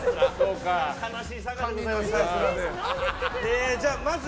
悲しいさがでございます。